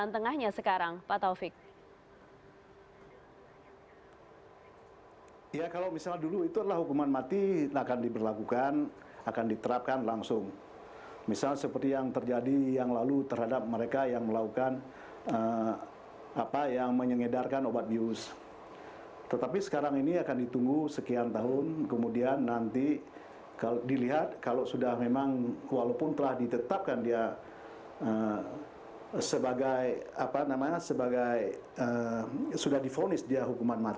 terima kasih terima kasih